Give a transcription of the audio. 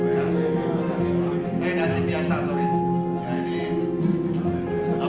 yang masih biasa